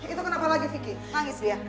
itu kenapa lagi vicky nangis ya